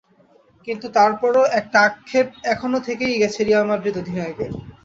কিন্তু তার পরও একটা আক্ষেপ এখনো থেকেই গেছে রিয়াল মাদ্রিদ অধিনায়কের।